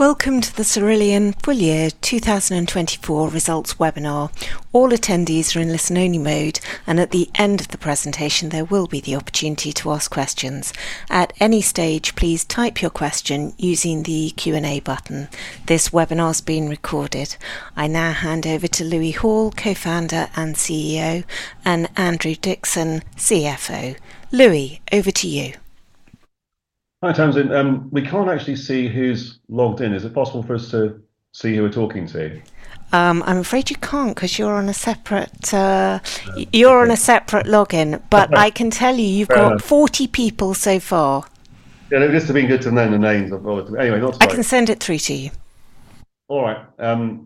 Welcome to the Cerillion FY 2024 results webinar. All attendees are in listen-only mode, and at the end of the presentation, there will be the opportunity to ask questions. At any stage, please type your question using the Q&A button. This webinar is being recorded. I now hand over to Louis Hall, Co-founder and CEO, and Andrew Dickson, CFO. Louis, over to you. Hi, Tamsin. We can't actually see who's logged in. Is it possible for us to see who we're talking to? I'm afraid you can't because you're on a separate login. But I can tell you you've got 40 people so far. Yeah, it would just have been good to know the names. Anyway, not a problem. I can send it through to you. All right. Good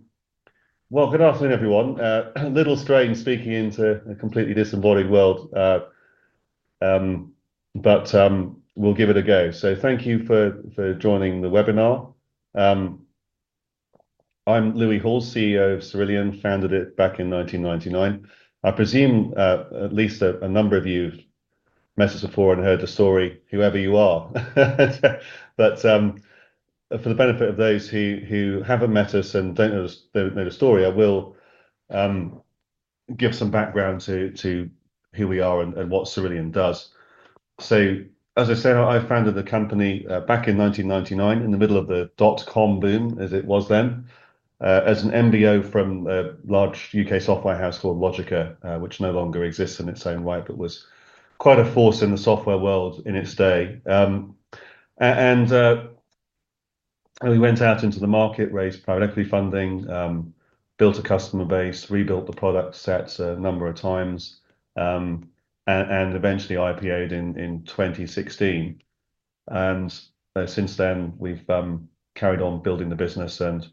afternoon, everyone. A little strange speaking into a completely disembodied world, but we'll give it a go. Thank you for joining the webinar. I'm Louis Hall, CEO of Cerillion, founded it back in 1999. I presume at least a number of you have met us before and heard the story, whoever you are. For the benefit of those who haven't met us and don't know the story, I will give some background to who we are and what Cerillion does. As I said, I founded the company back in 1999, in the middle of the dot-com boom, as it was then, as an MBO from a large U.K. software house called Logica, which no longer exists in its own right, but was quite a force in the software world in its day. We went out into the market, raised private equity funding, built a customer base, rebuilt the product sets a number of times, and eventually IPO'd in 2016. Since then, we've carried on building the business and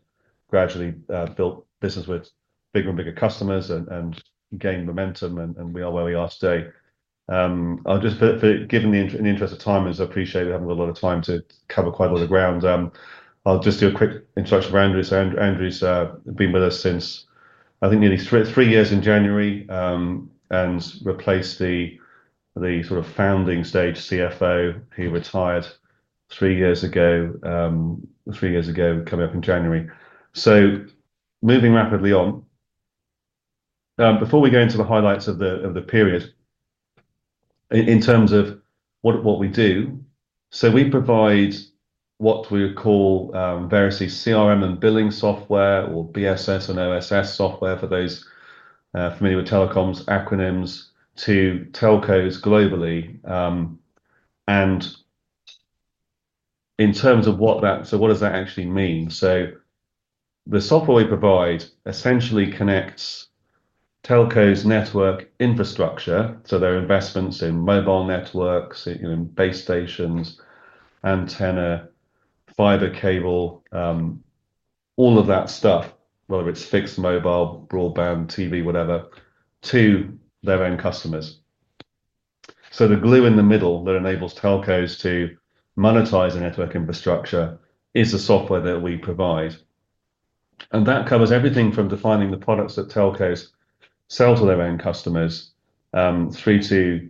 gradually built business with bigger and bigger customers and gained momentum, and we are where we are today. Given the interest of time, I appreciate we haven't got a lot of time to cover quite a lot of ground. I'll just do a quick introduction for Andrew. Andrew's been with us since, I think, nearly three years in January and replaced the sort of founding stage CFO. He retired three years ago, coming up in January. Moving rapidly on, before we go into the highlights of the period, in terms of what we do, so we provide what we call variously CRM and billing software, or BSS and OSS software for those familiar with telecoms acronyms, to telcos globally. In terms of what that, so what does that actually mean? The software we provide essentially connects telcos' network infrastructure, so their investments in mobile networks, base stations, antenna, fiber cable, all of that stuff, whether it's fixed mobile, broadband, TV, whatever, to their end customers. The glue in the middle that enables telcos to monetize their network infrastructure is the software that we provide. And that covers everything from defining the products that telcos sell to their end customers through to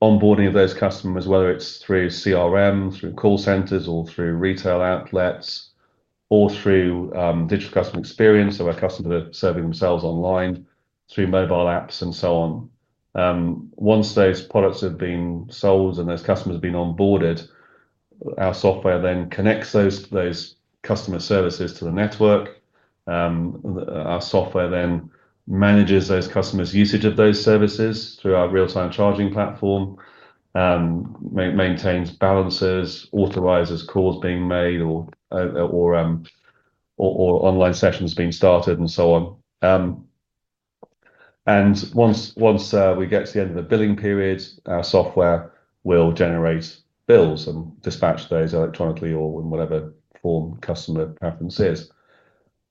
onboarding of those customers, whether it's through CRM, through call centers, or through retail outlets, or through digital customer experience, so where customers are serving themselves online, through mobile apps, and so on. Once those products have been sold and those customers have been onboarded, our software then connects those customer services to the network. Our software then manages those customers' usage of those services through our real-time charging platform, maintains balances, authorizes calls being made or online sessions being started, and so on. And once we get to the end of the billing period, our software will generate bills and dispatch those electronically or in whatever form customer preference is.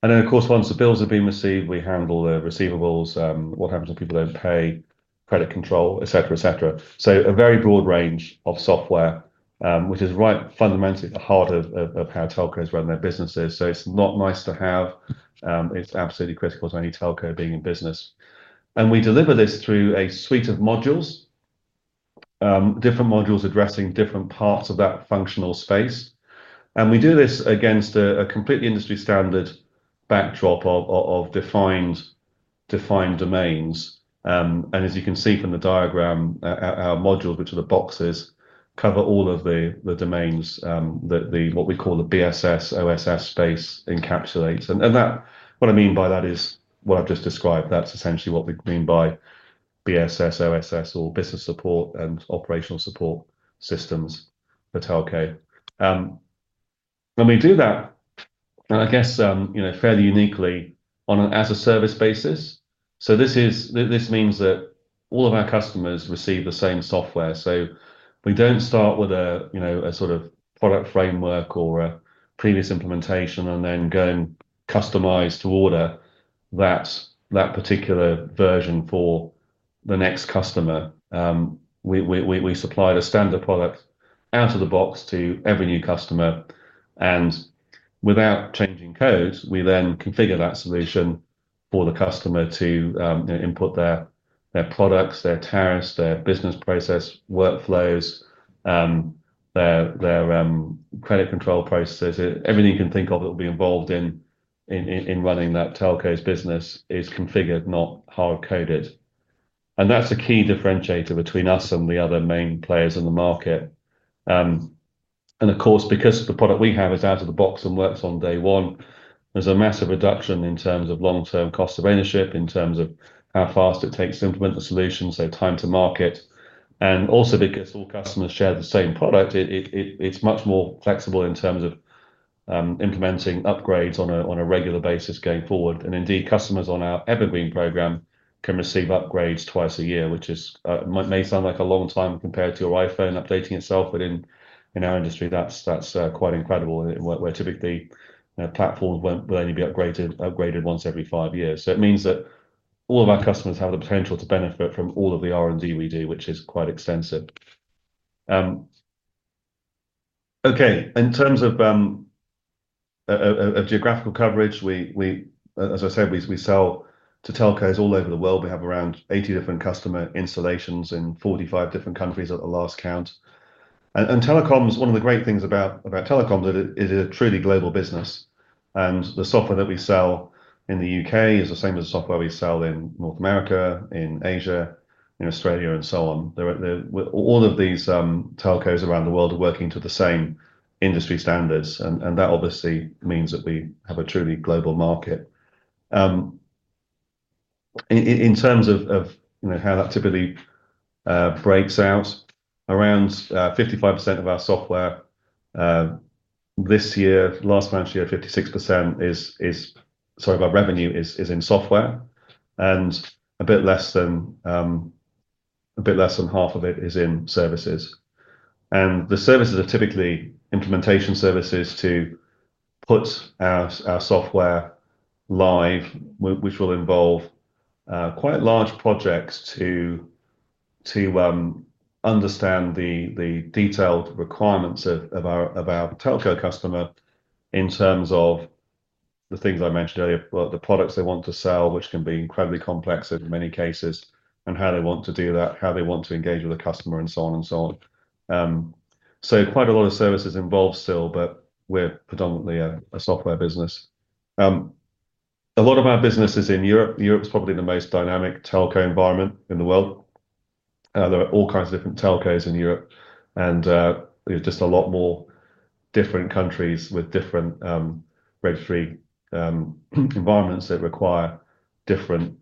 And then, of course, once the bills have been received, we handle the receivables. What happens when people don't pay? Credit control, etc., etc. So a very broad range of software, which is right fundamentally at the heart of how telcos run their businesses. So it's not nice to have. It's absolutely critical to any telco being in business. And we deliver this through a suite of modules, different modules addressing different parts of that functional space. And we do this against a completely industry-standard backdrop of defined domains. And as you can see from the diagram, our modules, which are the boxes, cover all of the domains that what we call the BSS, OSS space encapsulates. And what I mean by that is what I've just described. That's essentially what we mean by BSS, OSS, or business support and operational support systems for telco. When we do that, I guess fairly uniquely, on an as-a-service basis. So this means that all of our customers receive the same software. So we don't start with a sort of product framework or a previous implementation and then go and customize to order that particular version for the next customer. We supply the standard product out of the box to every new customer. And without changing codes, we then configure that solution for the customer to input their products, their tariffs, their business process workflows, their credit control processes. Everything you can think of that will be involved in running that telco's business is configured, not hard-coded. And that's a key differentiator between us and the other main players in the market. And of course, because the product we have is out of the box and works on day one, there's a massive reduction in terms of long-term cost of ownership, in terms of how fast it takes to implement the solution, so time to market. And also because all customers share the same product, it's much more flexible in terms of implementing upgrades on a regular basis going forward. And indeed, customers on our Evergreen program can receive upgrades twice a year, which may sound like a long time compared to your iPhone updating itself. But in our industry, that's quite incredible. Where typically, platforms will only be upgraded once every five years. So it means that all of our customers have the potential to benefit from all of the R&D we do, which is quite extensive. Okay, in terms of geographical coverage, as I said, we sell to telcos all over the world. We have around 80 different customer installations in 45 different countries at the last count. And telecoms, one of the great things about telecoms is it is a truly global business. The software that we sell in the UK is the same as the software we sell in North America, in Asia, in Australia, and so on. All of these telcos around the world are working to the same industry standards. That obviously means that we have a truly global market. In terms of how that typically breaks out, around 55% of our software this year, last financial year, 56% is, sorry, of our revenue is in software. A bit less than half of it is in services. The services are typically implementation services to put our software live, which will involve quite large projects to understand the detailed requirements of our telco customer in terms of the things I mentioned earlier, the products they want to sell, which can be incredibly complex in many cases, and how they want to do that, how they want to engage with the customer, and so on and so on. Quite a lot of services involved still, but we're predominantly a software business. A lot of our business is in Europe. Europe's probably the most dynamic telco environment in the world. There are all kinds of different telcos in Europe. There's just a lot more different countries with different regulatory environments that require different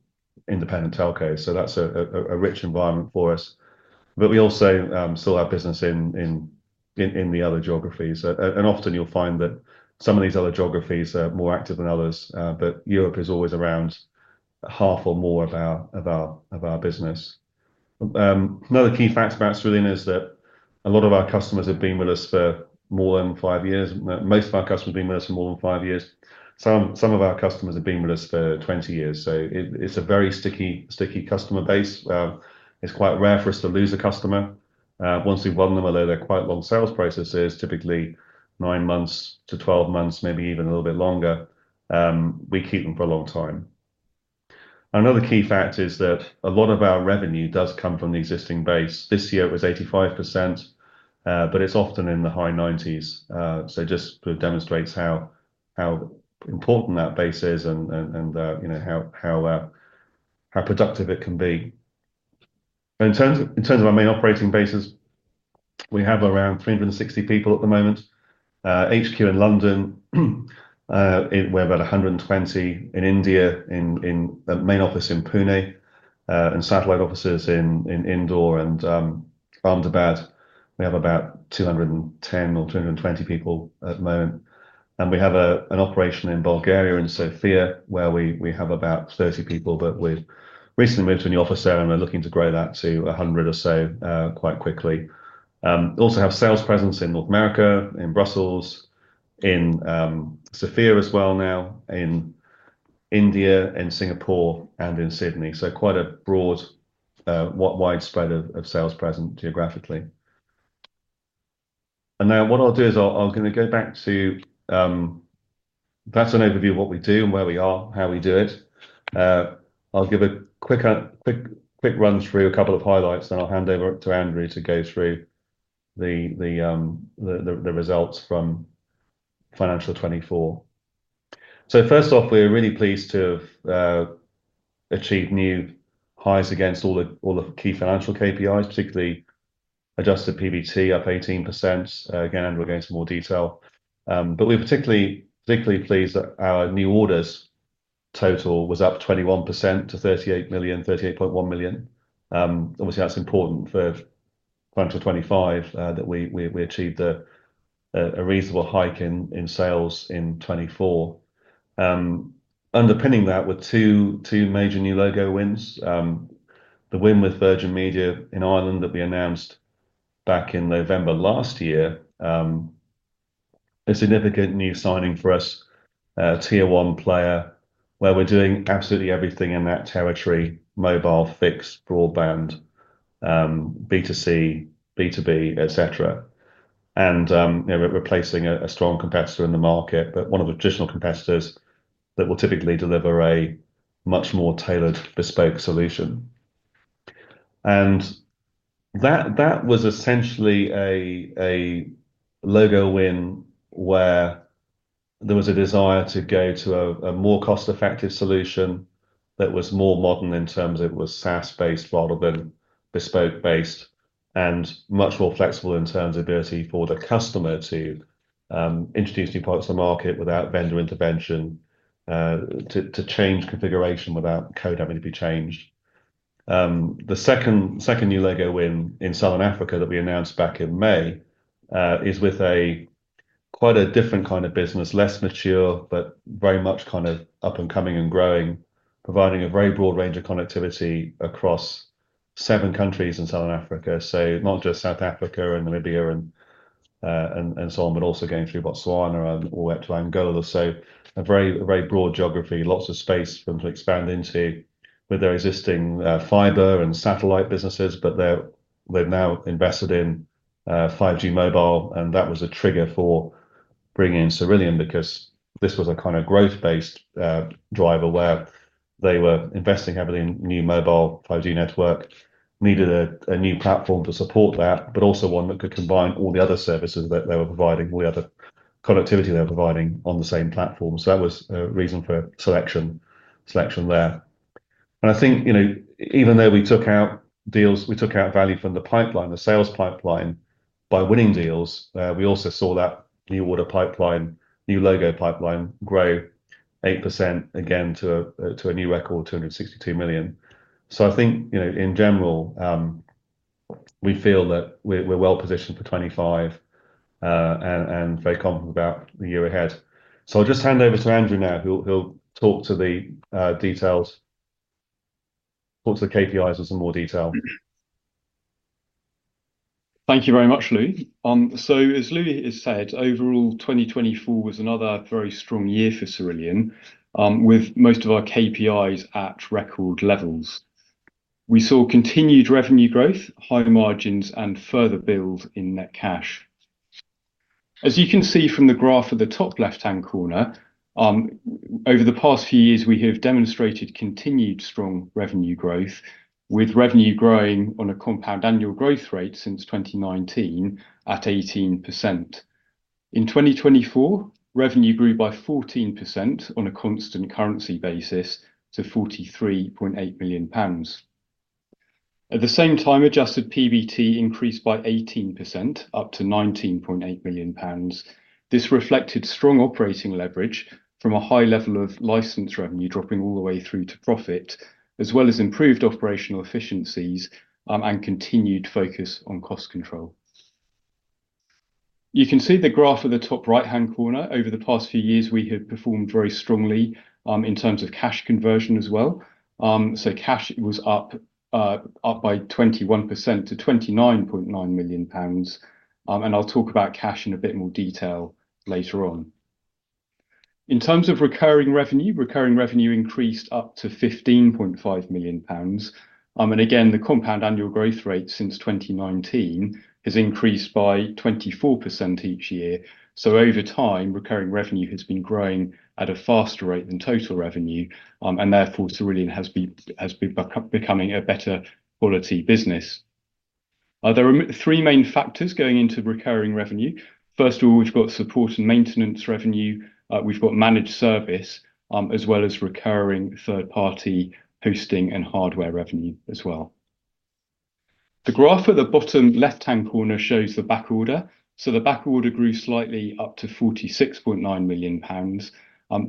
independent telcos. That's a rich environment for us. We also still have business in the other geographies. Often you'll find that some of these other geographies are more active than others. But Europe is always around half or more of our business. Another key fact about Cerillion is that a lot of our customers have been with us for more than five years. Most of our customers have been with us for more than five years. Some of our customers have been with us for 20 years. It's a very sticky customer base. It's quite rare for us to lose a customer. Once we've won them a quite long sales process, it's typically 9 months to 12 months, maybe even a little bit longer. We keep them for a long time. Another key fact is that a lot of our revenue does come from the existing base. This year, it was 85%, but it's often in the high 90s. So just demonstrates how important that base is and how productive it can be. In terms of our main operating bases, we have around 360 people at the moment. HQ in London, we have about 120 in India, the main office in Pune, and satellite offices in Indore and Ahmedabad. We have about 210 or 220 people at the moment. We have an operation in Bulgaria and Sofia, where we have about 30 people, but we've recently moved to a new office there and are looking to grow that to 100 or so quite quickly. We also have sales presence in North America, in Brussels, in Sofia as well now, in India, in Singapore, and in Sydney. So quite a broad, widespread of sales presence geographically. And now what I'll do is I'm going to go back to that's an overview of what we do and where we are, how we do it. I'll give a quick run through a couple of highlights, then I'll hand over to Andrew to go through the results from Financial 2024. So first off, we're really pleased to have achieved new highs against all the key financial KPIs, particularly adjusted PBT up 18%. Again, Andrew will go into more detail. But we're particularly pleased that our new orders total was up 21% to £38 million, £38.1 million. Obviously, that's important for Financial 2025, that we achieved a reasonable hike in sales in 2024. Underpinning that were two major new logo wins. The win with Virgin Media in Ireland that we announced back in November last year, a significant new signing for us, a Tier 1 player, where we're doing absolutely everything in that territory: mobile, fixed, broadband, B2C, B2B, etc., and we're replacing a strong competitor in the market, but one of the traditional competitors that will typically deliver a much more tailored, bespoke solution, and that was essentially a logo win where there was a desire to go to a more cost-effective solution that was more modern in terms of it was SaaS-based rather than bespoke-based and much more flexible in terms of ability for the customer to introduce new products to the market without vendor intervention, to change configuration without code having to be changed. The second new logo win in Southern Africa that we announced back in May is with quite a different kind of business, less mature, but very much kind of up-and-coming and growing, providing a very broad range of connectivity across seven countries in Southern Africa. So not just South Africa and Namibia and so on, but also going through Botswana all the way up to Angola. So a very broad geography, lots of space for them to expand into with their existing fiber and satellite businesses, but they've now invested in 5G mobile. That was a trigger for bringing in Cerillion because this was a kind of growth-based driver where they were investing heavily in new mobile 5G network, needed a new platform to support that, but also one that could combine all the other services that they were providing, all the other connectivity they were providing on the same platform. So that was a reason for selection there. And I think even though we took out deals, we took out value from the pipeline, the sales pipeline by winning deals, we also saw that new order pipeline, new logo pipeline grow 8% again to a new record, £262 million. So I think in general, we feel that we're well positioned for 25 and very confident about the year ahead. So I'll just hand over to Andrew now. He'll talk to the details, talk to the KPIs with some more detail. Thank you very much, Louis. So as Louis has said, overall, 2024 was another very strong year for Cerillion, with most of our KPIs at record levels. We saw continued revenue growth, high margins, and further build in net cash. As you can see from the graph at the top left-hand corner, over the past few years, we have demonstrated continued strong revenue growth, with revenue growing on a compound annual growth rate since 2019 at 18%. In 2024, revenue grew by 14% on a constant currency basis to £43.8 million. At the same time, adjusted PBT increased by 18%, up to £19.8 million. This reflected strong operating leverage from a high level of license revenue dropping all the way through to profit, as well as improved operational efficiencies and continued focus on cost control. You can see the graph at the top right-hand corner. Over the past few years, we have performed very strongly in terms of cash conversion as well. So cash was up by 21% to £29.9 million. And I'll talk about cash in a bit more detail later on. In terms of recurring revenue, recurring revenue increased up to £15.5 million. And again, the compound annual growth rate since 2019 has increased by 24% each year. So over time, recurring revenue has been growing at a faster rate than total revenue. And therefore, Cerillion has been becoming a better quality business. There are three main factors going into recurring revenue. First of all, we've got support and maintenance revenue. We've got managed service, as well as recurring third-party hosting and hardware revenue as well. The graph at the bottom left-hand corner shows the back order. So the back order grew slightly up to £46.9 million.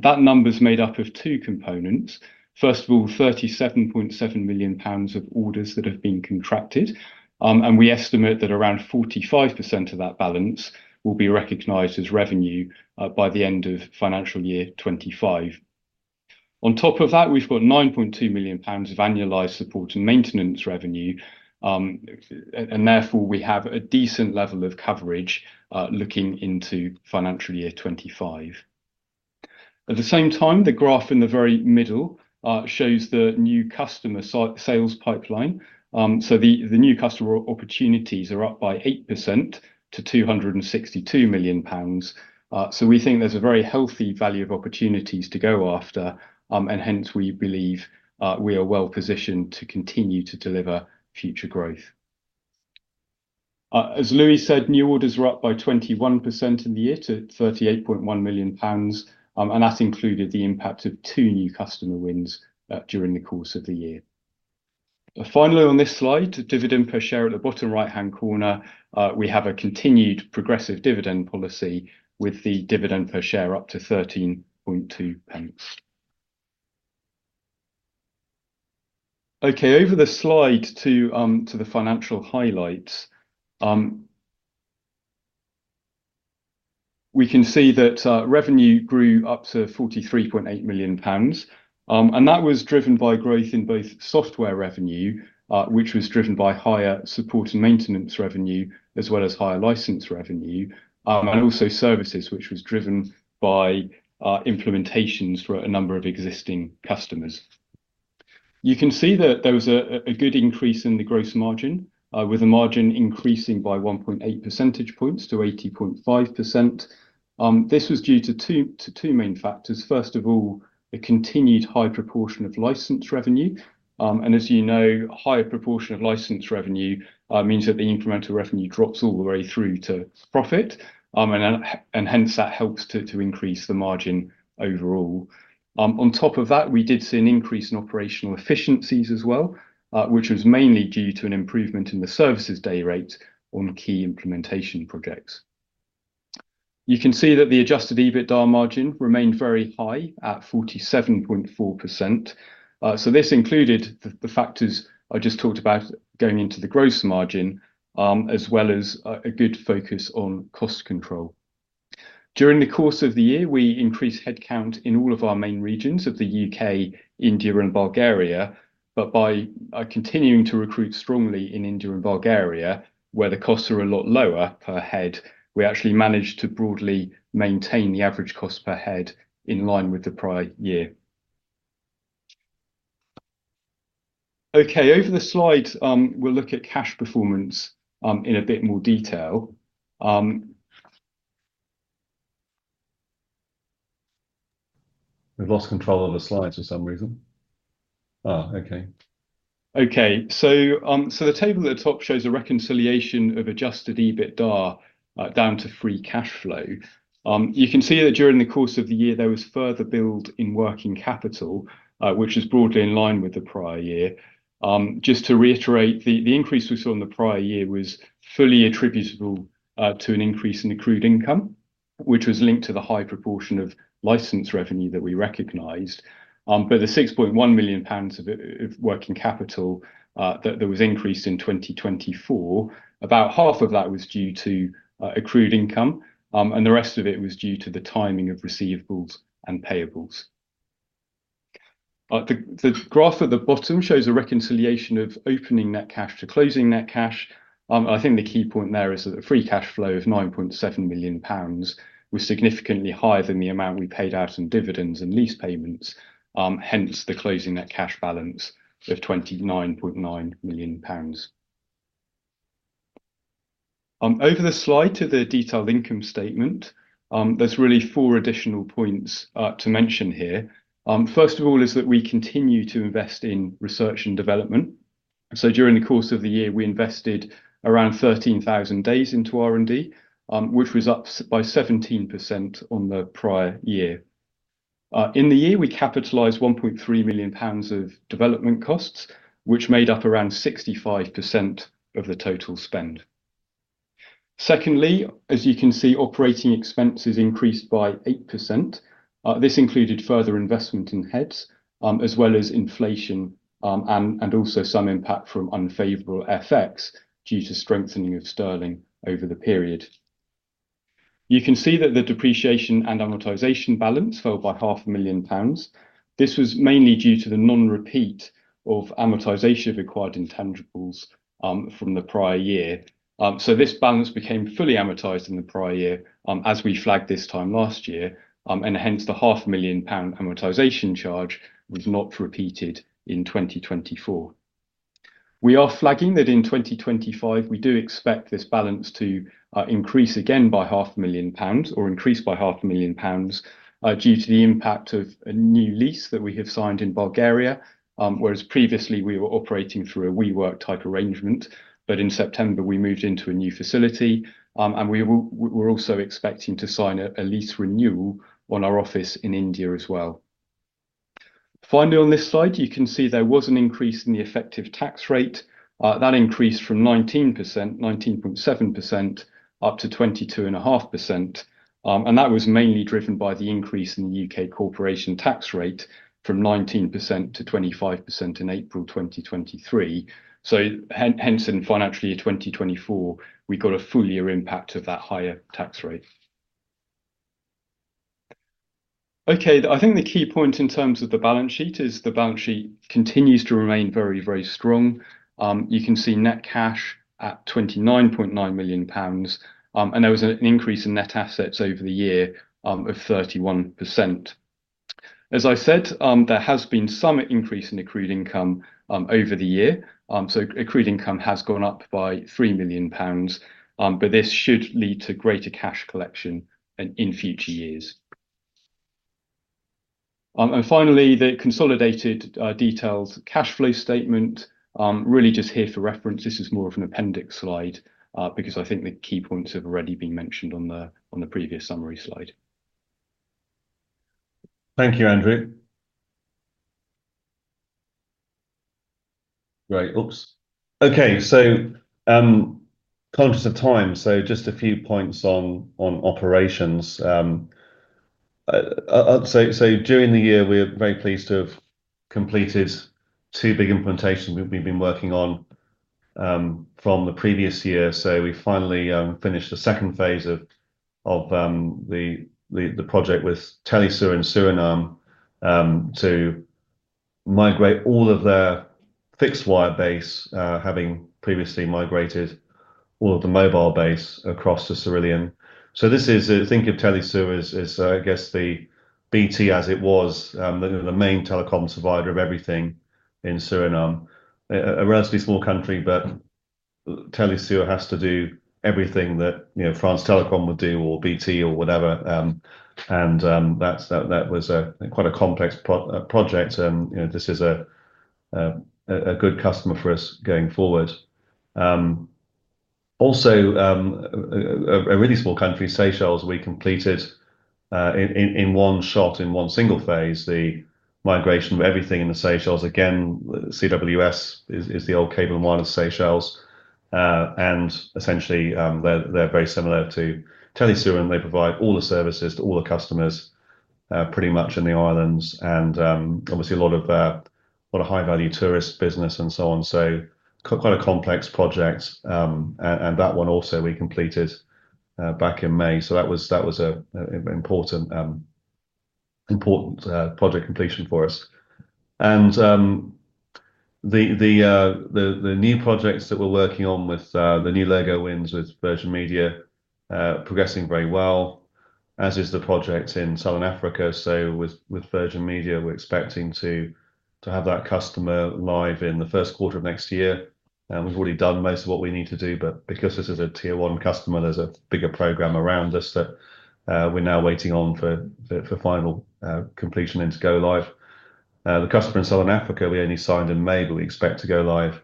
That number is made up of two components. First of all, £37.7 million of orders that have been contracted, and we estimate that around 45% of that balance will be recognized as revenue by the end of financial year 25. On top of that, we've got £9.2 million of annualized support and maintenance revenue, and therefore, we have a decent level of coverage looking into financial year 25. At the same time, the graph in the very middle shows the new customer sales pipeline, so the new customer opportunities are up by 8% to £262 million. We think there's a very healthy value of opportunities to go after, and hence, we believe we are well positioned to continue to deliver future growth. As Louis said, new orders were up by 21% in the year to £38.1 million. And that included the impact of two new customer wins during the course of the year. Finally, on this slide, dividend per share at the bottom right-hand corner, we have a continued progressive dividend policy with the dividend per share up to £13.2. Okay, over the slide to the financial highlights, we can see that revenue grew up to £43.8 million. And that was driven by growth in both software revenue, which was driven by higher support and maintenance revenue, as well as higher license revenue, and also services, which was driven by implementations for a number of existing customers. You can see that there was a good increase in the gross margin, with the margin increasing by 1.8 percentage points to 80.5%. This was due to two main factors. First of all, a continued high proportion of license revenue. As you know, a higher proportion of license revenue means that the incremental revenue drops all the way through to profit. Hence, that helps to increase the margin overall. On top of that, we did see an increase in operational efficiencies as well, which was mainly due to an improvement in the services day rate on key implementation projects. You can see that the adjusted EBITDA margin remained very high at 47.4%. This included the factors I just talked about going into the gross margin, as well as a good focus on cost control. During the course of the year, we increased headcount in all of our main regions of the UK, India, and Bulgaria. But by continuing to recruit strongly in India and Bulgaria, where the costs are a lot lower per head, we actually managed to broadly maintain the average cost per head in line with the prior year. Okay, over the slide, we'll look at cash performance in a bit more detail. We've lost control of the slides for some reason. Oh, okay. Okay, so the table at the top shows a reconciliation of adjusted EBITDA down to free cash flow. You can see that during the course of the year, there was further build in working capital, which is broadly in line with the prior year. Just to reiterate, the increase we saw in the prior year was fully attributable to an increase in accrued income, which was linked to the high proportion of license revenue that we recognized. But the £6.1 million of working capital that was increased in 2024, about half of that was due to accrued income, and the rest of it was due to the timing of receivables and payables. The graph at the bottom shows a reconciliation of opening net cash to closing net cash. I think the key point there is that the free cash flow of £9.7 million was significantly higher than the amount we paid out in dividends and lease payments. Hence, the closing net cash balance of £29.9 million. Over the slide to the detailed income statement, there's really four additional points to mention here. First of all, is that we continue to invest in research and development. So during the course of the year, we invested around 13,000 days into R&D, which was up by 17% on the prior year. In the year, we capitalized £1.3 million of development costs, which made up around 65% of the total spend. Secondly, as you can see, operating expenses increased by 8%. This included further investment in heads, as well as inflation and also some impact from unfavorable FX due to strengthening of sterling over the period. You can see that the depreciation and amortization balance fell by £500,000. This was mainly due to the non-repeat of amortization of acquired intangibles from the prior year. So this balance became fully amortized in the prior year as we flagged this time last year. And hence, the £500,000 amortization charge was not repeated in 2024. We are flagging that in 2025, we do expect this balance to increase again by £500,000 or increase by £500,000 due to the impact of a new lease that we have signed in Bulgaria, whereas previously we were operating through a WeWork type arrangement. But in September, we moved into a new facility. And we were also expecting to sign a lease renewal on our office in India as well. Finally, on this slide, you can see there was an increase in the effective tax rate. That increased from 19%, 19.7%, up to 22.5%. And that was mainly driven by the increase in the U.K. corporation tax rate from 19%-25% in April 2023. So hence, in financial year 2024, we got a full year impact of that higher tax rate. Okay, I think the key point in terms of the balance sheet is the balance sheet continues to remain very, very strong. You can see net cash at £29.9 million. And there was an increase in net assets over the year of 31%. As I said, there has been some increase in accrued income over the year. So accrued income has gone up by £3 million. But this should lead to greater cash collection in future years. And finally, the consolidated detailed cash flow statement, really just here for reference. This is more of an appendix slide because I think the key points have already been mentioned on the previous summary slide. Thank you, Andrew. Right, oops. Okay, so conscious of time, so just a few points on operations. So during the year, we're very pleased to have completed two big implementations we've been working on from the previous year. We finally finished the second phase of the project with Telesur in Suriname to migrate all of their fixed wire base, having previously migrated all of the mobile base across to Cerillion. This is, think of Telesur as, I guess, the BT as it was, the main telecom provider of everything in Suriname. It is a relatively small country, but Telesur has to do everything that France Télécom would do or BT or whatever. That was quite a complex project. This is a good customer for us going forward. Also, a really small country, Seychelles. We completed in one shot, in one single phase, the migration of everything in the Seychelles. Again, CWS is the old Cable & Wireless Seychelles. Essentially, they're very similar to Telesur. They provide all the services to all the customers pretty much in the islands. And obviously, a lot of high-value tourist business and so on. So quite a complex project. And that one also we completed back in May. So that was an important project completion for us. And the new projects that we're working on with the new logo wins with Virgin Media are progressing very well, as is the project in Southern Africa. So with Virgin Media, we're expecting to have that customer live in the first quarter of next year. And we've already done most of what we need to do. But because this is a Tier 1 customer, there's a bigger program around us that we're now waiting on for final completion and to go live. The customer in Southern Africa, we only signed in May, but we expect to go live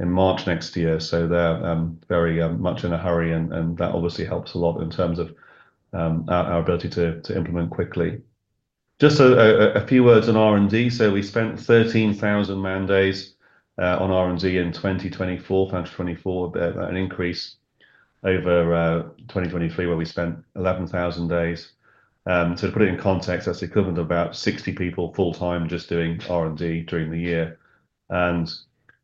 in March next year. So they're very much in a hurry. And that obviously helps a lot in terms of our ability to implement quickly. Just a few words on R&D. So we spent 13,000 man days on R&D in 2024, financial 24, an increase over 2023, where we spent 11,000 days. So to put it in context, that's the equivalent of about 60 people full-time just doing R&D during the year. And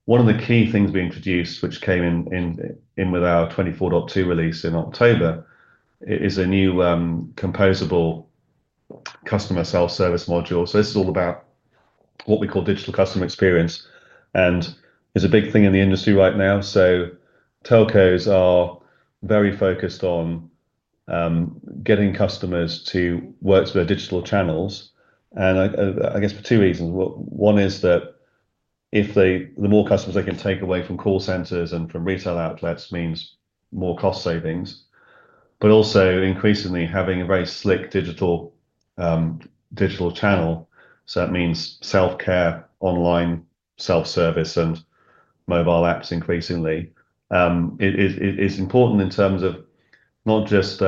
one of the key things we introduced, which came in with our 24.2 release in October, is a new Composable Customer Self-Service module. So this is all about what we call digital customer experience. And it's a big thing in the industry right now. So telcos are very focused on getting customers to work through digital channels. And I guess for two reasons. One is that the more customers they can take away from call centers and from retail outlets means more cost savings. But also, increasingly, having a very slick digital channel. So that means self-care, online self-service, and mobile apps increasingly. It's important in terms of not just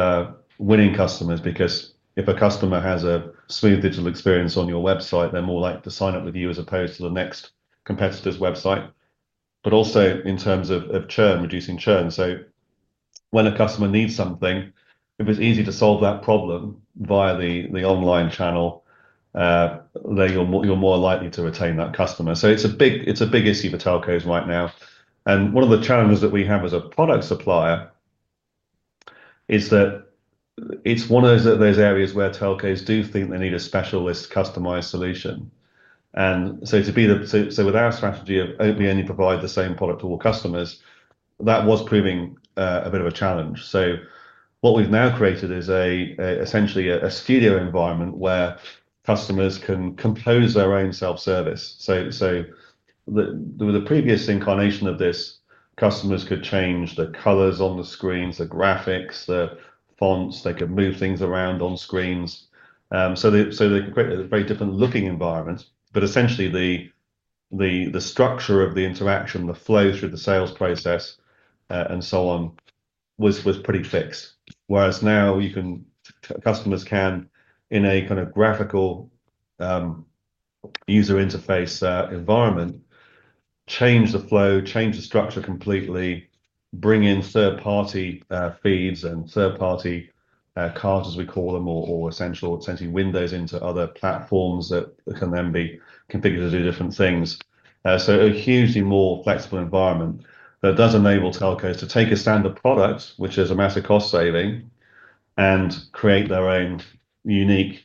winning customers, because if a customer has a smooth digital experience on your website, they're more likely to sign up with you as opposed to the next competitor's website. But also in terms of churn, reducing churn. So when a customer needs something, if it's easy to solve that problem via the online channel, then you're more likely to retain that customer. So it's a big issue for telcos right now. And one of the challenges that we have as a product supplier is that it's one of those areas where telcos do think they need a specialist customized solution. With our strategy of only providing the same product to all customers, that was proving a bit of a challenge. What we've now created is essentially a studio environment where customers can compose their own self-service. With the previous incarnation of this, customers could change the colors on the screens, the graphics, the fonts. They could move things around on screens. They created a very different looking environment, but essentially, the structure of the interaction, the flow through the sales process, and so on was pretty fixed. Whereas now, customers can, in a kind of graphical user interface environment, change the flow, change the structure completely, bring in third-party feeds and third-party cards, as we call them, or, essentially, windows into other platforms that can then be configured to do different things. A hugely more flexible environment that does enable telcos to take a standard product, which is a massive cost saving, and create their own unique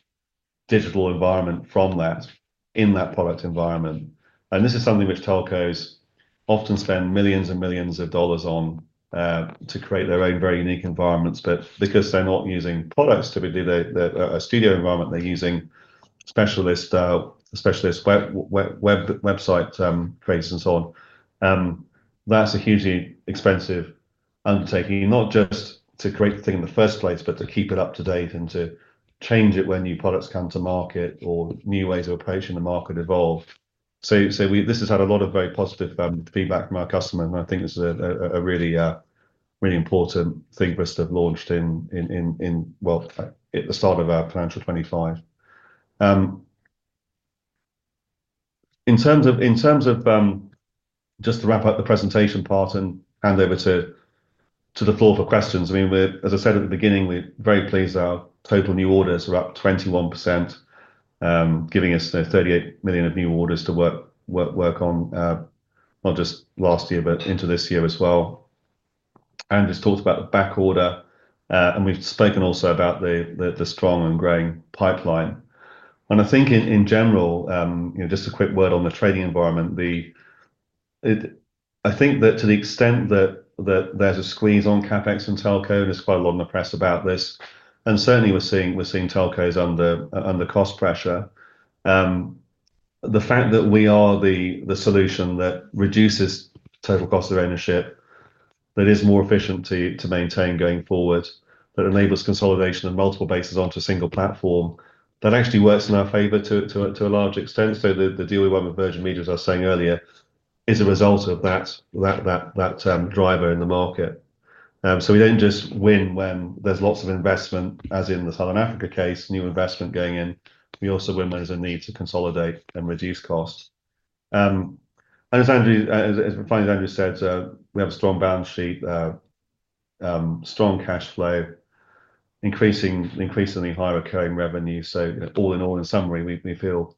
digital environment from that in that product environment. This is something which telcos often spend millions and millions of dollars on to create their own very unique environments. But because they're not using products to build a standard environment, they're using specialist web, website creators, and so on. That's a hugely expensive undertaking, not just to create the thing in the first place, but to keep it up to date and to change it when new products come to market or new ways of approaching the market evolve. This has had a lot of very positive feedback from our customers. I think this is a really important thing for us to have launched in, well, at the start of our financial 25. In terms of just to wrap up the presentation part and hand over to the floor for questions, I mean, as I said at the beginning, we're very pleased. Our total new orders are up 21%, giving us £38 million of new orders to work on, not just last year, but into this year as well. We just talked about the back order. We've spoken also about the strong and growing pipeline. I think in general, just a quick word on the trading environment. I think that to the extent that there's a squeeze on CapEx and telco, and there's quite a lot in the press about this. Certainly, we're seeing telcos under cost pressure. The fact that we are the solution that reduces total cost of ownership, that is more efficient to maintain going forward, that enables consolidation of multiple bases onto a single platform, that actually works in our favor to a large extent. So the deal we won with Virgin Media, as I was saying earlier, is a result of that driver in the market. So we don't just win when there's lots of investment, as in the Southern Africa case, new investment going in. We also win when there's a need to consolidate and reduce costs. And as Andrew said, we have a strong balance sheet, strong cash flow, increasingly higher recurring revenue. So all in all, in summary, we feel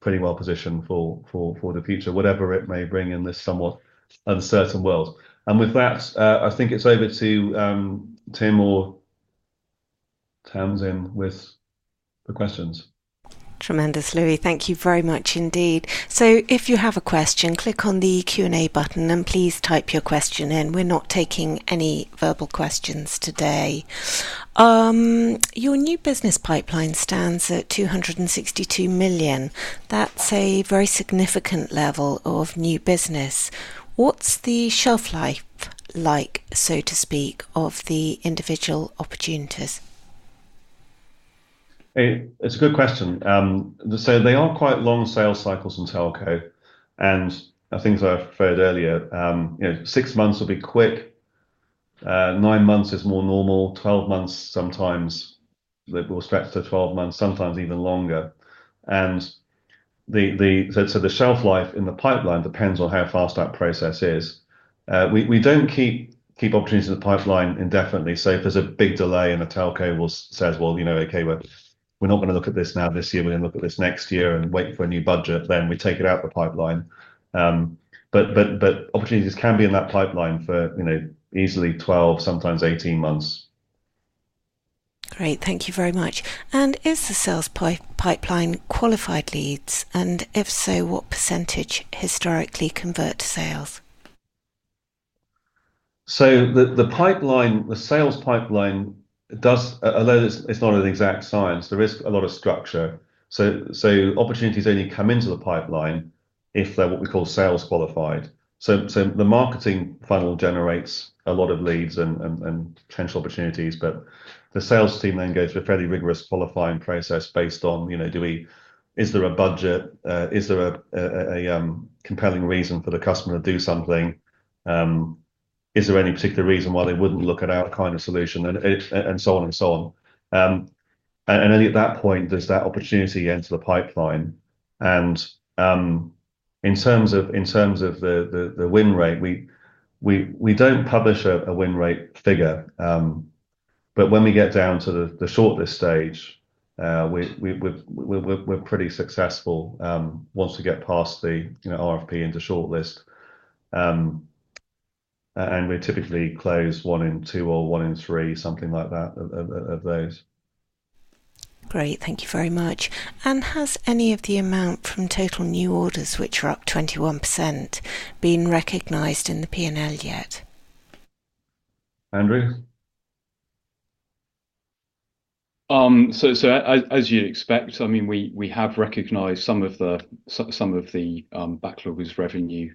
pretty well positioned for the future, whatever it may bring in this somewhat uncertain world. And with that, I think it's over to Tim or Tamsin with the questions. Tremendous, Louis. Thank you very much indeed. So if you have a question, click on the Q&A button and please type your question in. We're not taking any verbal questions today. Your new business pipeline stands at £262 million. That's a very significant level of new business. What's the shelf life like, so to speak, of the individual opportunities? It's a good question. So they are quite long sales cycles in telco. And I think as I've said earlier, six months will be quick. Nine months is more normal. Twelve months sometimes will stretch to twelve months, sometimes even longer. And so the shelf life in the pipeline depends on how fast that process is. We don't keep opportunities in the pipeline indefinitely. So if there's a big delay and a telco says, "Well, okay, we're not going to look at this now this year. We're going to look at this next year and wait for a new budget," then we take it out of the pipeline. But opportunities can be in that pipeline for easily 12, sometimes 18 months. Great. Thank you very much. And is the sales pipeline qualified leads? And if so, what percentage historically convert to sales? So the sales pipeline does, although it's not an exact science, there is a lot of structure. So opportunities only come into the pipeline if they're what we call sales qualified. So the marketing funnel generates a lot of leads and potential opportunities. But the sales team then goes through a fairly rigorous qualifying process based on, is there a budget? Is there a compelling reason for the customer to do something? Is there any particular reason why they wouldn't look at our kind of solution? And so on and so on. And only at that point does that opportunity enter the pipeline. And in terms of the win rate, we don't publish a win rate figure. But when we get down to the shortlist stage, we're pretty successful once we get past the RFP into shortlist. And we typically close one in two or one in three, something like that of those. Great. Thank you very much. And has any of the amount from total new orders, which are up 21%, been recognized in the P&L yet? Andrew? So as you'd expect, I mean, we have recognized some of the backlog is revenue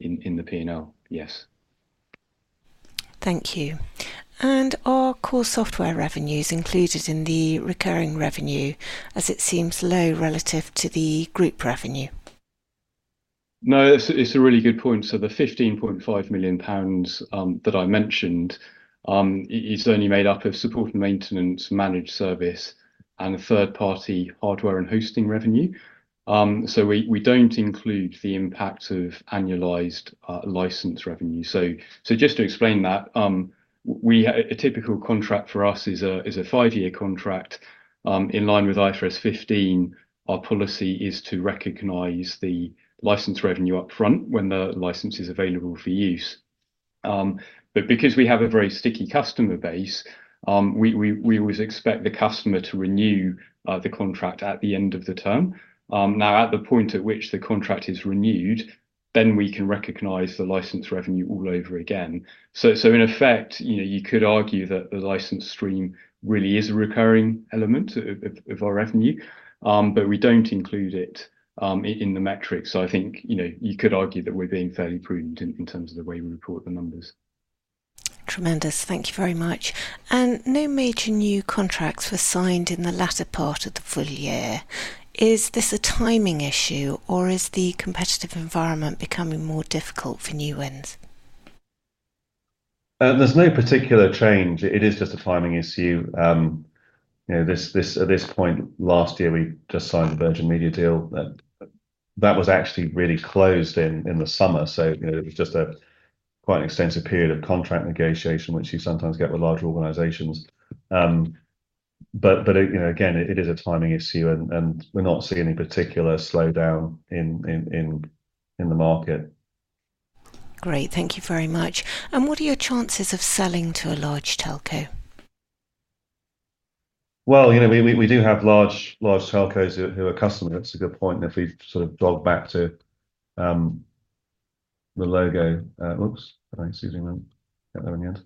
in the P&L. Yes. Thank you. And are core software revenues included in the recurring revenue, as it seems low relative to the group revenue? No, it's a really good point. The £15.5 million that I mentioned is only made up of support and maintenance, managed service, and third-party hardware and hosting revenue. We don't include the impact of annualized license revenue. Just to explain that, a typical contract for us is a five-year contract. In line with IFRS 15, our policy is to recognize the license revenue upfront when the license is available for use. Because we have a very sticky customer base, we always expect the customer to renew the contract at the end of the term. At the point at which the contract is renewed, then we can recognize the license revenue all over again. In effect, you could argue that the license stream really is a recurring element of our revenue, but we don't include it in the metrics. I think you could argue that we're being fairly prudent in terms of the way we report the numbers. Tremendous. Thank you very much. And no major new contracts were signed in the latter part of the full year. Is this a timing issue, or is the competitive environment becoming more difficult for new wins? There's no particular change. It is just a timing issue. At this point, last year, we just signed the Virgin Media deal. That was actually really close in the summer. So it was just quite an extensive period of contract negotiation, which you sometimes get with large organizations. But again, it is a timing issue, and we're not seeing any particular slowdown in the market. Great. Thank you very much. And what are your chances of selling to a large telco? Well, we do have large telcos who are customers. That's a good point. If we sort of go back to the logo, oops, excuse me, get there in the end.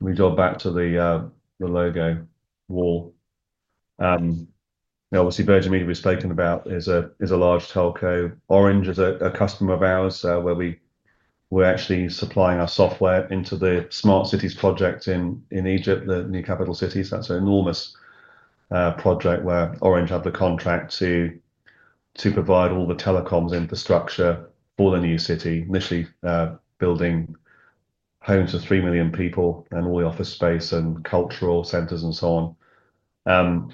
We go back to the logo wall. Obviously, Virgin Media we've spoken about is a large telco. Orange is a customer of ours where we're actually supplying our software into the Smart Cities project in Egypt, the new capital cities. That's an enormous project where Orange had the contract to provide all the telecoms infrastructure for the new city, initially building homes for three million people and all the office space and cultural centers and so on.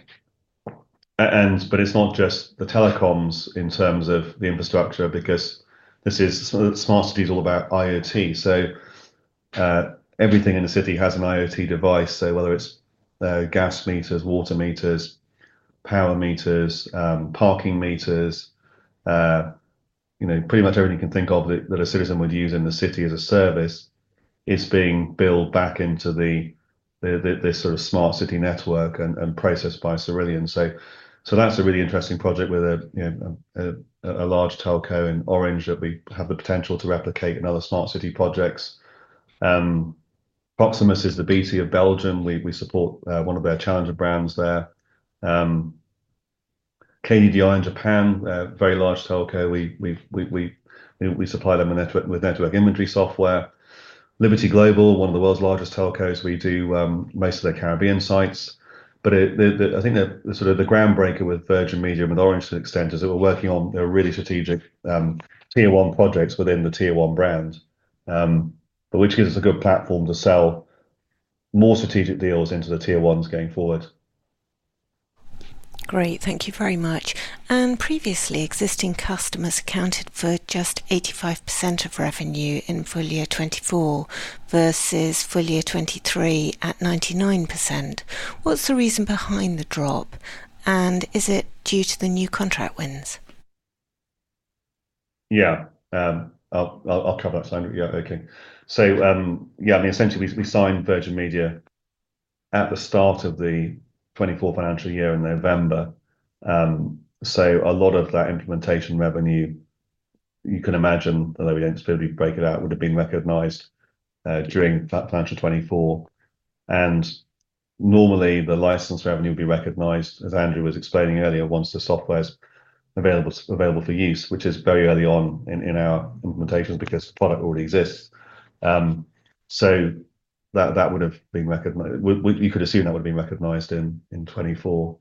But it's not just the telecoms in terms of the infrastructure, because Smart Cities is all about IoT. So everything in the city has an IoT device. So whether it's gas meters, water meters, power meters, parking meters, pretty much everything you can think of that a citizen would use in the city as a service is being built back into this sort of smart city network and processed by Cerillion. That's a really interesting project with a large telco in Orange that we have the potential to replicate in other smart city projects. Proximus is the BT of Belgium. We support one of their challenger brands there. KDDI in Japan, a very large telco. We supply them with network inventory software. Liberty Global, one of the world's largest telcos, we do most of their Caribbean sites. I think the groundbreaker with Virgin Media and with Orange to an extent is that we're working on really strategic tier one projects within the tier one brand, which gives us a good platform to sell more strategic deals into the tier ones going forward. Great. Thank you very much. Previously, existing customers accounted for just 85% of revenue in full year 2024 versus full year 2023 at 99%. What's the reason behind the drop? And is it due to the new contract wins? Yeah. I'll cover that. Okay. So yeah, I mean, essentially, we signed Virgin Media at the start of the 2024 financial year in November. So a lot of that implementation revenue, you can imagine, although we don't speak of it, would have been recognized during financial 2024. Normally, the license revenue would be recognized, as Andrew was explaining earlier, once the software's available for use, which is very early on in our implementations because the product already exists. That would have been recognized. You could assume that would have been recognized in 2024.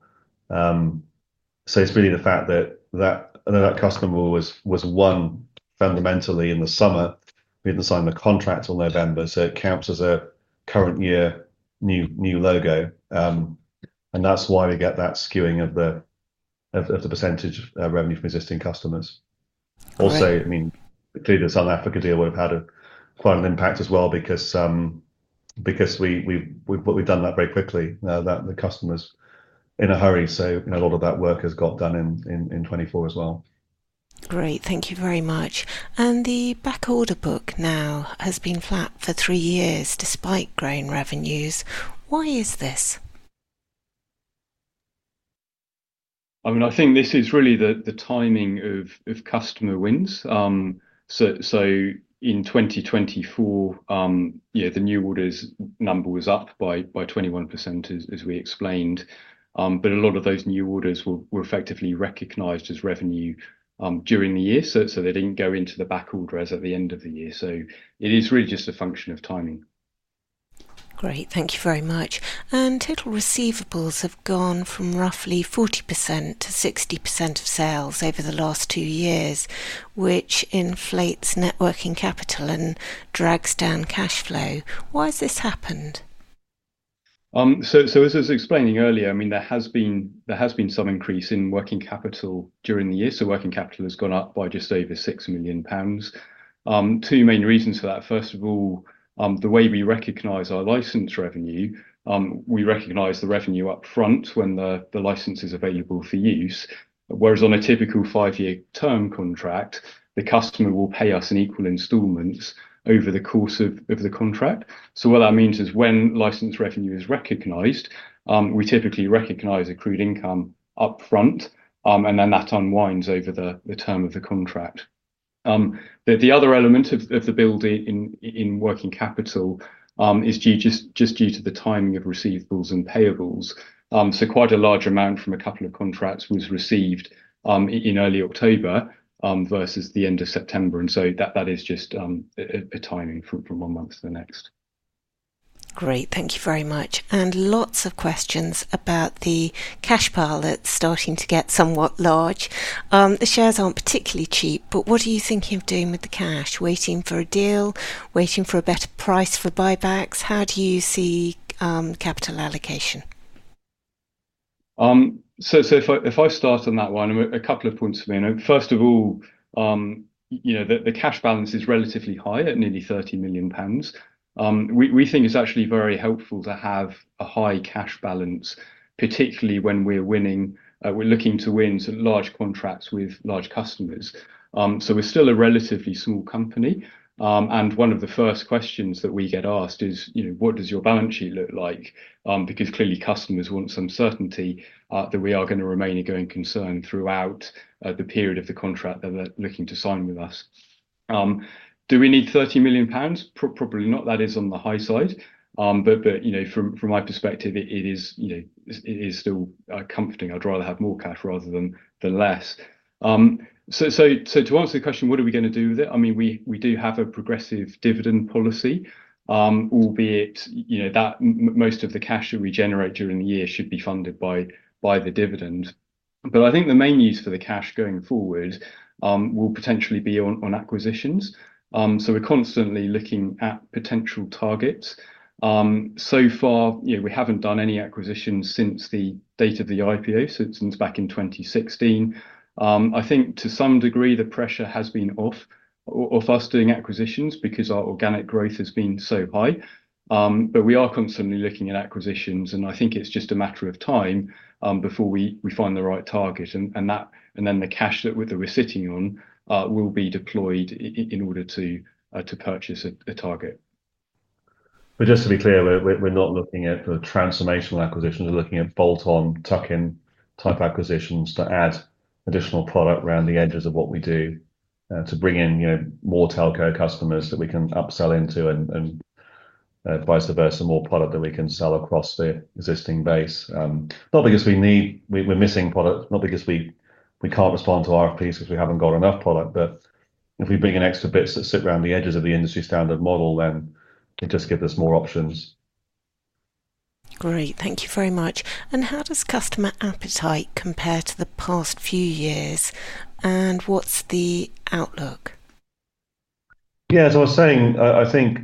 It's really the fact that that customer was won fundamentally in the summer. We didn't sign the contract till November, so it counts as a current year new logo. That's why we get that skewing of the percentage revenue from existing customers. Also, I mean, clearly, the Southern Africa deal would have had a final impact as well because we've done that very quickly. The customer's in a hurry, so a lot of that work has got done in 2024 as well. Great. Thank you very much. The back order book now has been flat for three years despite growing revenues. Why is this? I mean, I think this is really the timing of customer wins. In 2024, the new orders number was up by 21%, as we explained. But a lot of those new orders were effectively recognized as revenue during the year. So they didn't go into the back order as at the end of the year. So it is really just a function of timing. Great. Thank you very much. Total receivables have gone from roughly 40%-60% of sales over the last two years, which inflates working capital and drags down cash flow. Why has this happened? So as I was explaining earlier, I mean, there has been some increase in working capital during the year. So working capital has gone up by just over £6 million. Two main reasons for that. First of all, the way we recognize our license revenue, we recognize the revenue upfront when the license is available for use. Whereas on a typical five-year term contract, the customer will pay us in equal installments over the course of the contract, so what that means is when license revenue is recognized, we typically recognize accrued income upfront, and then that unwinds over the term of the contract. The other element of the build-up in working capital is just due to the timing of receivables and payables. So quite a large amount from a couple of contracts was received in early October versus the end of September, and so that is just a timing from one month to the next. Great. Thank you very much, and lots of questions about the cash pile that's starting to get somewhat large. The shares aren't particularly cheap, but what are you thinking of doing with the cash? Waiting for a deal? Waiting for a better price for buybacks? How do you see capital allocation? So if I start on that one, a couple of points for me. First of all, the cash balance is relatively high at nearly £30 million. We think it's actually very helpful to have a high cash balance, particularly when we're looking to win large contracts with large customers. So we're still a relatively small company. And one of the first questions that we get asked is, "What does your balance sheet look like?" Because clearly, customers want some certainty that we are going to remain a going concern throughout the period of the contract they're looking to sign with us. Do we need £30 million? Probably not. That is on the high side. But from my perspective, it is still comforting. I'd rather have more cash rather than less. So to answer the question, what are we going to do with it? I mean, we do have a progressive dividend policy, albeit that most of the cash that we generate during the year should be funded by the dividend. But I think the main use for the cash going forward will potentially be on acquisitions. So we're constantly looking at potential targets. So far, we haven't done any acquisitions since the date of the IPO, so it's since back in 2016. I think to some degree, the pressure has been off of us doing acquisitions because our organic growth has been so high. But we are constantly looking at acquisitions, and I think it's just a matter of time before we find the right target. And then the cash that we're sitting on will be deployed in order to purchase a target. But just to be clear, we're not looking at the transformational acquisitions. We're looking at bolt-on, tuck-in type acquisitions to add additional product around the edges of what we do to bring in more telco customers that we can upsell into and vice versa, more product that we can sell across the existing base. Not because we're missing product, not because we can't respond to RFPs because we haven't got enough product. But if we bring in extra bits that sit around the edges of the industry standard model, then it just gives us more options. Great. Thank you very much. And how does customer appetite compare to the past few years? And what's the outlook? Yeah. As I was saying, I think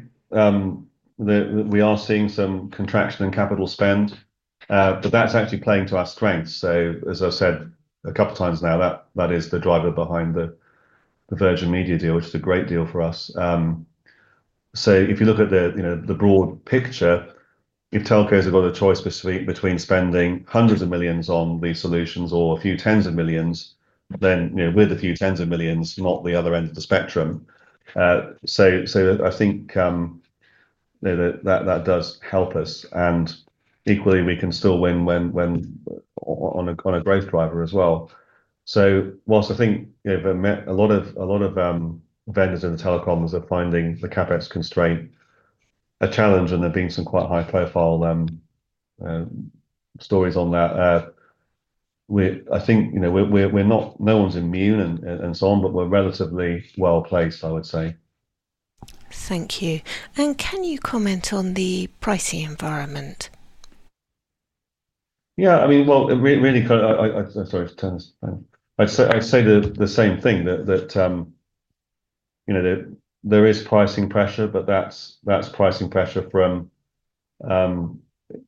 we are seeing some contraction in capital spend, but that's actually playing to our strengths. So as I've said a couple of times now, that is the driver behind the Virgin Media deal, which is a great deal for us. So if you look at the broad picture, if telcos have got a choice between spending hundreds of millions on these solutions or a few tens of millions, then we're the few tens of millions, not the other end of the spectrum. So I think that does help us. And equally, we can still win on a growth driver as well. While I think a lot of vendors in the telecoms are finding the CapEx constraint a challenge, and there have been some quite high-profile stories on that, I think no one's immune and so on, but we're relatively well placed, I would say. Thank you. Can you comment on the pricing environment? Yeah. I mean, well, really, sorry, I'd say the same thing, that there is pricing pressure, but that's pricing pressure from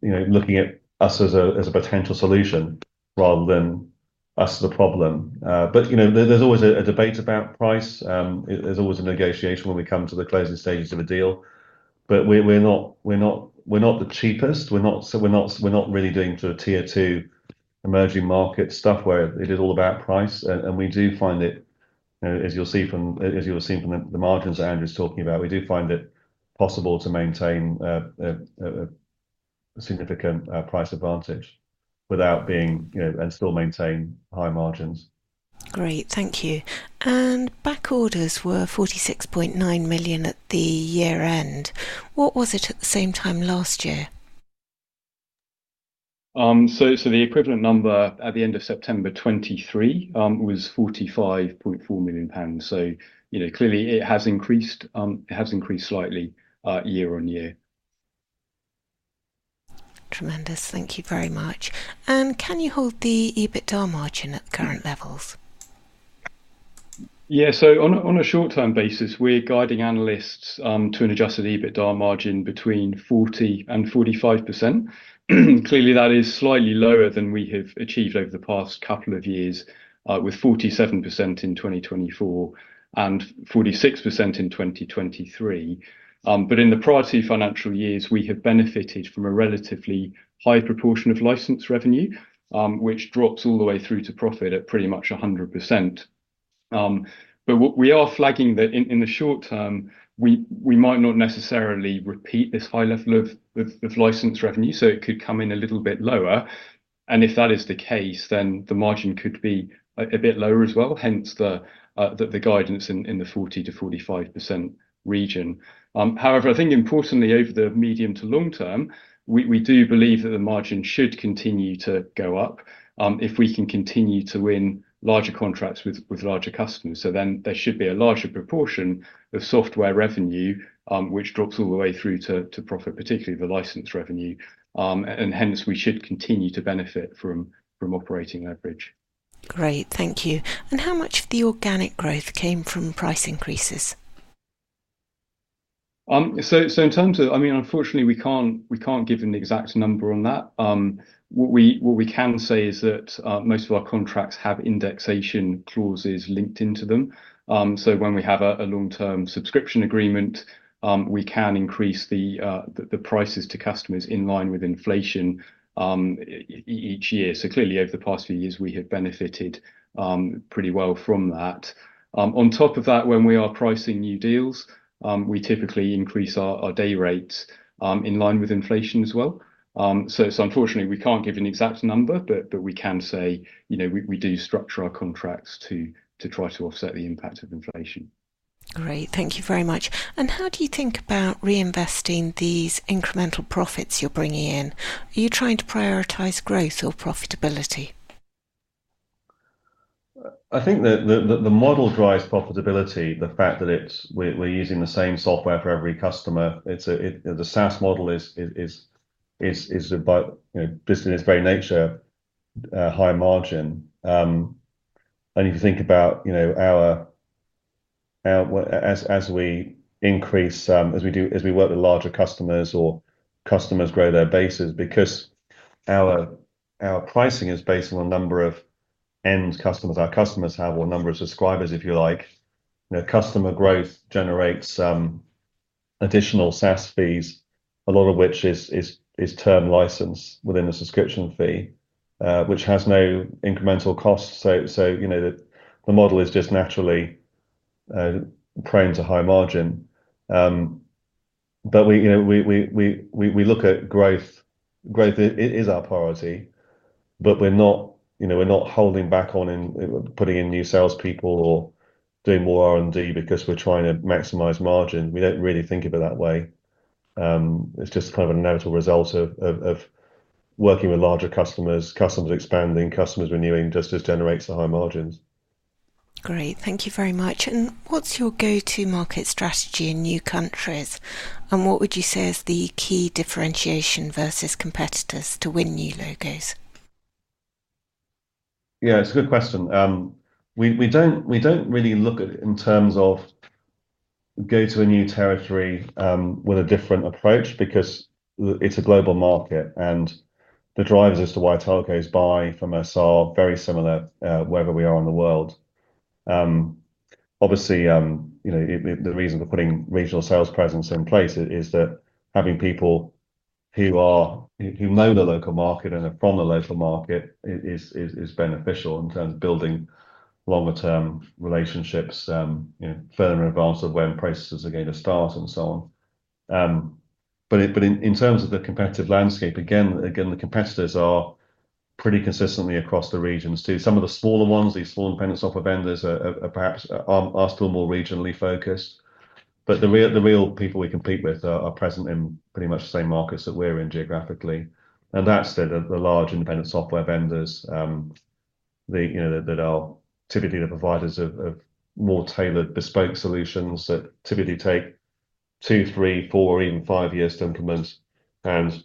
looking at us as a potential solution rather than us as a problem. But there's always a debate about price. There's always a negotiation when we come to the closing stages of a deal. But we're not the cheapest. We're not really doing sort of tier two emerging market stuff where it is all about price. We do find that, as you'll see from the margins that Andrew's talking about, we do find it possible to maintain a significant price advantage without being and still maintain high margins. Great. Thank you. And back orders were £46.9 million at the year-end. What was it at the same time last year? So the equivalent number at the end of September 2023 was £45.4 million. So clearly, it has increased slightly year-on-year. Tremendous. Thank you very much. And can you hold the EBITDA margin at current levels? Yeah. So on a short-term basis, we're guiding analysts to an adjusted EBITDA margin between 40% and 45%. Clearly, that is slightly lower than we have achieved over the past couple of years, with 47% in 2024 and 46% in 2023. But in the prior two financial years, we have benefited from a relatively high proportion of license revenue, which drops all the way through to profit at pretty much 100%. But we are flagging that in the short term, we might not necessarily repeat this high level of license revenue, so it could come in a little bit lower. And if that is the case, then the margin could be a bit lower as well, hence the guidance in the 40%-45% region. However, I think importantly, over the medium to long term, we do believe that the margin should continue to go up if we can continue to win larger contracts with larger customers. So then there should be a larger proportion of software revenue, which drops all the way through to profit, particularly the license revenue. And hence, we should continue to benefit from operating leverage. Great. Thank you. And how much of the organic growth came from price increases? So in terms of, I mean, unfortunately, we can't give an exact number on that. What we can say is that most of our contracts have indexation clauses linked into them. So when we have a long-term subscription agreement, we can increase the prices to customers in line with inflation each year. So clearly, over the past few years, we have benefited pretty well from that. On top of that, when we are pricing new deals, we typically increase our day rates in line with inflation as well. So unfortunately, we can't give an exact number, but we can say we do structure our contracts to try to offset the impact of inflation. Great. Thank you very much. And how do you think about reinvesting these incremental profits you're bringing in? Are you trying to prioritize growth or profitability? I think the model drives profitability, the fact that we're using the same software for every customer. The SaaS model is, by its very nature, high margin. If you think about our as we increase, as we work with larger customers or customers grow their bases, because our pricing is based on the number of end customers our customers have or number of subscribers, if you like, customer growth generates additional SaaS fees, a lot of which is term license within the subscription fee, which has no incremental costs. The model is just naturally prone to high margin. We look at growth. Growth is our priority, but we're not holding back on putting in new salespeople or doing more R&D because we're trying to maximize margin. We don't really think of it that way. It's just kind of an inevitable result of working with larger customers, customers expanding, customers renewing, just as generates the high margins. Great. Thank you very much. And what's your go-to-market strategy in new countries? And what would you say is the key differentiation versus competitors to win new logos? Yeah, it's a good question. We don't really look at it in terms of go to a new territory with a different approach because it's a global market. And the drivers as to why telcos buy from us are very similar wherever we are in the world. Obviously, the reason for putting regional sales presence in place is that having people who know the local market and are from the local market is beneficial in terms of building longer-term relationships further in advance of when processes are going to start and so on. But in terms of the competitive landscape, again, the competitors are pretty consistently across the regions too. Some of the smaller ones, these small independent software vendors are perhaps still more regionally focused. But the real people we compete with are present in pretty much the same markets that we're in geographically. And that's the large independent software vendors that are typically the providers of more tailored, bespoke solutions that typically take two, three, four, or even five years to implement and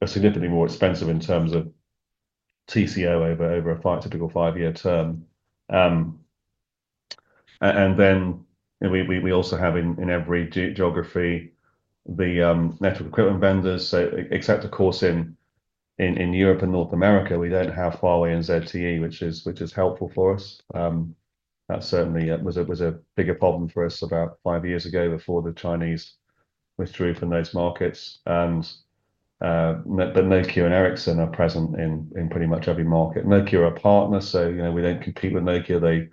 are significantly more expensive in terms of TCO over a typical five-year term. And then we also have in every geography the network equipment vendors. So except, of course, in Europe and North America, we don't have Huawei and ZTE, which is helpful for us. That certainly was a bigger problem for us about five years ago before the Chinese withdrew from those markets. And then Nokia and Ericsson are present in pretty much every market. Nokia are a partner, so we don't compete with Nokia.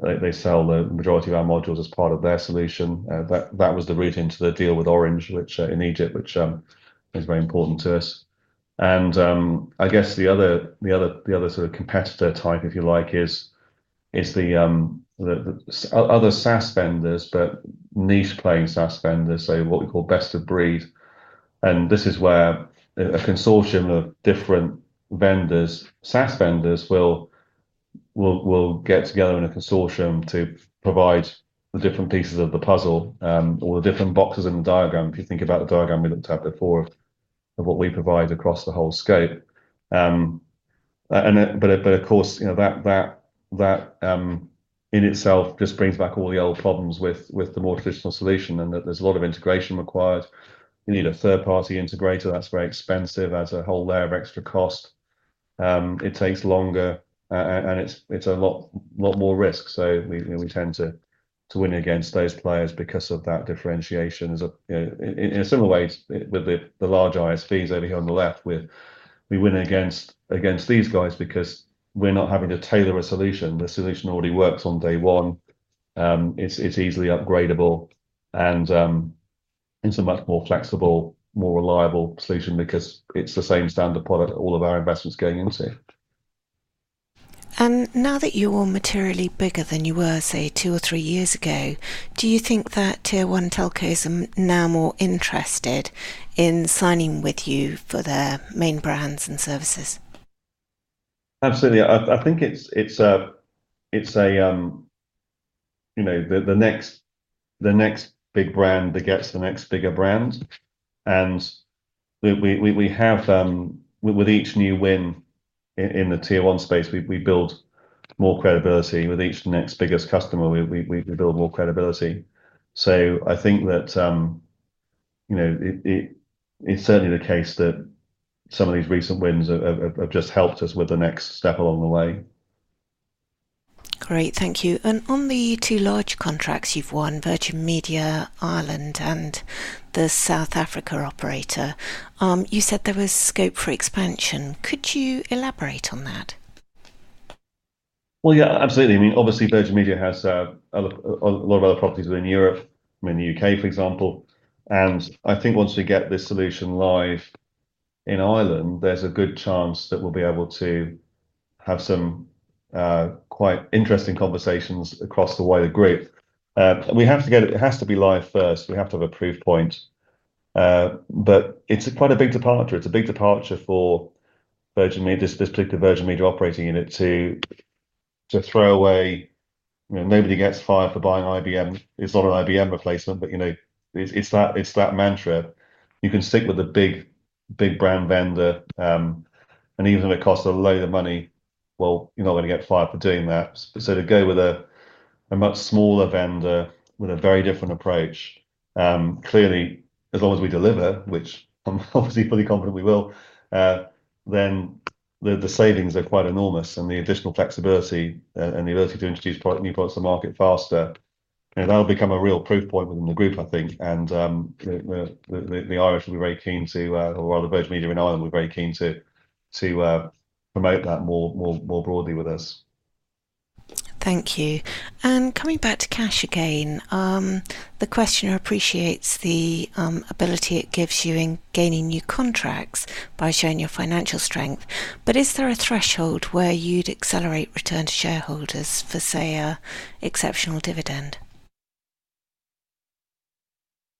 They sell the majority of our modules as part of their solution. That was the route into the deal with Orange, which in Egypt, which is very important to us. And I guess the other sort of competitor type, if you like, is the other SaaS vendors, but niche-playing SaaS vendors, so what we call best of breed. And this is where a consortium of different vendors, SaaS vendors, will get together in a consortium to provide the different pieces of the puzzle or the different boxes in the diagram, if you think about the diagram we looked at before of what we provide across the whole scope. But of course, that in itself just brings back all the old problems with the more traditional solution and that there's a lot of integration required. You need a third-party integrator. That's very expensive. That's a whole layer of extra cost. It takes longer, and it's a lot more risk. So we tend to win against those players because of that differentiation. In a similar way with the large ISVs over here on the left, we win against these guys because we're not having to tailor a solution. The solution already works on day one. It's easily upgradable, and it's a much more flexible, more reliable solution because it's the same standard product all of our investments going into. Now that you're materially bigger than you were, say, two or three years ago, do you think that Tier 1 telcos are now more interested in signing with you for their main brands and services? Absolutely. I think it's the next big brand that gets the next bigger brand. And with each new win in the Tier 1 space, we build more credibility. With each next biggest customer, we build more credibility. So I think that it's certainly the case that some of these recent wins have just helped us with the next step along the way. Great. Thank you. And on the two large contracts you've won, Virgin Media Ireland, and the South Africa operator, you said there was scope for expansion. Could you elaborate on that? Well, yeah, absolutely. I mean, obviously, Virgin Media has a lot of other properties within Europe, in the UK, for example. And I think once we get this solution live in Ireland, there's a good chance that we'll be able to have some quite interesting conversations across the wider group. We have to get it. It has to be live first. We have to have a proof point. But it's quite a big departure. It's a big departure for Virgin Media, this particular Virgin Media operating unit, to throw away "Nobody gets fired for buying IBM." It's not an IBM replacement, but it's that mantra. You can stick with a big brand vendor, and even if it costs a load of money, well, you're not going to get fired for doing that. So to go with a much smaller vendor with a very different approach, clearly, as long as we deliver, which I'm obviously fully confident we will, then the savings are quite enormous. The additional flexibility and the ability to introduce new products to market faster, that'll become a real proof point within the group, I think. The Irish will be very keen to, or rather, Virgin Media in Ireland will be very keen to promote that more broadly with us. Thank you. Coming back to cash again, the questioner appreciates the ability it gives you in gaining new contracts by showing your financial strength. Is there a threshold where you'd accelerate return to shareholders for, say, an exceptional dividend?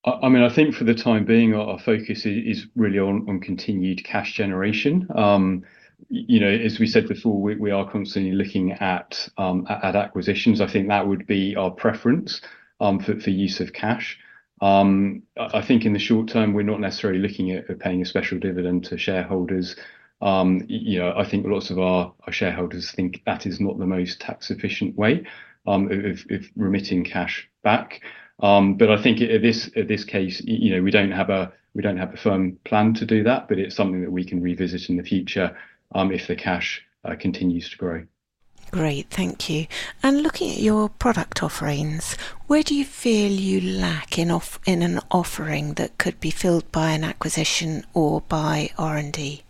I mean, I think for the time being, our focus is really on continued cash generation. As we said before, we are constantly looking at acquisitions. I think that would be our preference for use of cash. I think in the short term, we're not necessarily looking at paying a special dividend to shareholders. I think lots of our shareholders think that is not the most tax-efficient way of remitting cash back. But I think in this case, we don't have a firm plan to do that, but it's something that we can revisit in the future if the cash continues to grow. Great. Thank you. Looking at your product offerings, where do you feel you lack in an offering that could be filled by an acquisition or by R&D?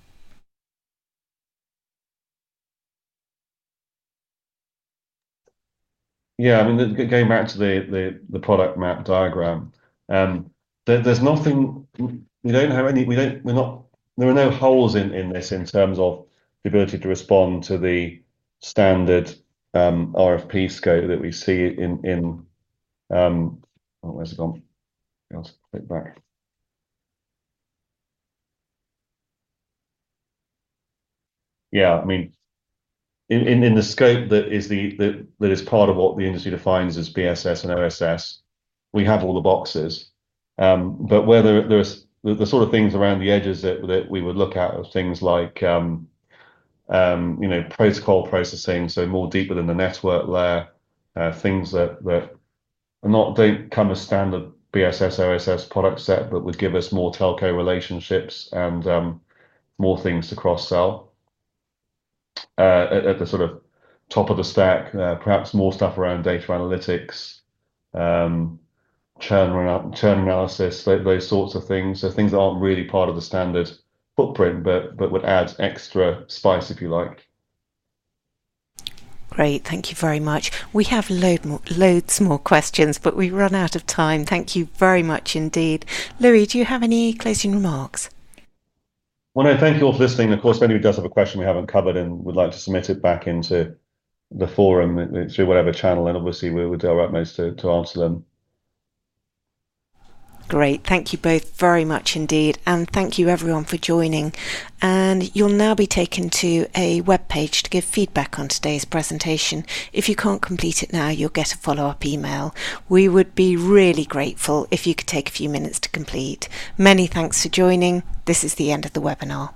Yeah. I mean, going back to the product map diagram, there are no holes in this in terms of the ability to respond to the standard RFP scope that we see. Where's it gone? I'll just click back. Yeah. I mean, in the scope that is part of what the industry defines as BSS and OSS, we have all the boxes. but the sort of things around the edges that we would look at are things like protocol processing, so more deep within the network layer, things that don't come as standard BSS, OSS product set, but would give us more telco relationships and more things to cross-sell at the sort of top of the stack, perhaps more stuff around data analytics, churn analysis, those sorts of things. so things that aren't really part of the standard footprint but would add extra spice, if you like. Great. Thank you very much. We have loads more questions, but we run out of time. Thank you very much indeed. Louis, do you have any closing remarks? well, no, thank you all for listening. Of course, if anybody does have a question we haven't covered and would like to submit it back into the forum through whatever channel, then obviously, we'll do our utmost to answer them. Great. Thank you both very much indeed. And thank you, everyone, for joining. And you'll now be taken to a web page to give feedback on today's presentation. If you can't complete it now, you'll get a follow-up email. We would be really grateful if you could take a few minutes to complete. Many thanks for joining. This is the end of the webinar.